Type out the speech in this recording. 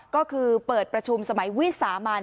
ก็คือเปิดประชุมสมัยวิสามัน